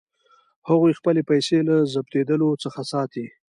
هغوی خپلې پیسې له ضبظېدلو څخه ساتي.